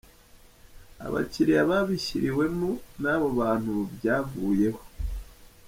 Abakiriya babishyiriwemo n’abo bantu ubu byavuyeho.